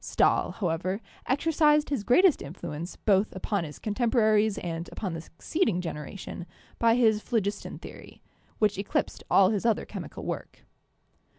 Stahl, however, exercised his greatest influence both upon his contemporaries and upon the succeeding generation by his phlogiston theory, which eclipsed all his other chemical work.